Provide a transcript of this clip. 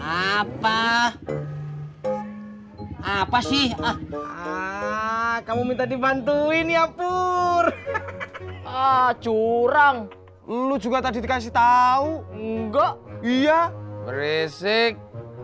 apa apa sih kamu minta dibantuin ya pur curang lu juga tadi dikasih tahu enggak iya berisik